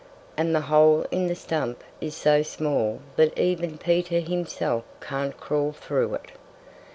And the hole in the stump is so small that even Peter himself can't crawl through it."